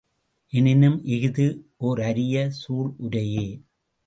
எனினும் இஃது ஓர் அரிய சூள் உரையே.